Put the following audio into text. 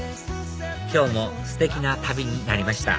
今日もステキな旅になりました